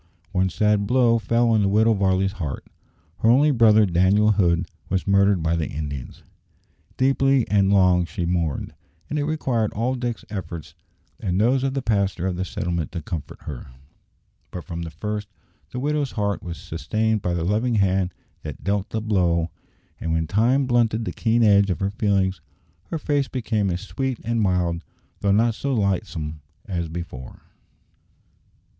One sad blow fell on the Widow Varley's heart. Her only brother, Daniel Hood, was murdered by the Indians. Deeply and long she mourned, and it required all Dick's efforts and those of the pastor of the settlement to comfort her. But from the first the widow's heart was sustained by the loving Hand that dealt the blow, and when time blunted the keen edge of her feelings her face became as sweet and mild, though not so lightsome, as before.